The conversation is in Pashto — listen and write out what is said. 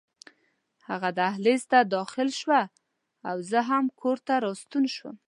هغه دهلېز ته داخله شوه او زه هم کور ته راستون شوم.